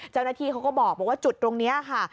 เจ้าหน้าที่เขาก็บอกว่าจุดตรงนี้ค่ะ